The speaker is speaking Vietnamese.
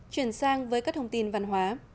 chuyển sang với các thông tin văn hóa